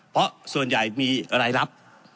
เพราะส่วนใหญ่มีรายรับ